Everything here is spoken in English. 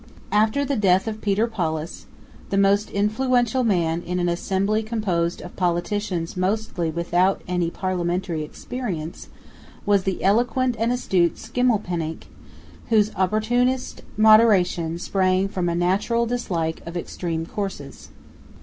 After the death of Pieter Paulus the most influential man in an Assembly composed of politicians mostly without any parliamentary experience was the eloquent and astute Schimmelpenninck, whose opportunist moderation sprang from a natural dislike of extreme courses.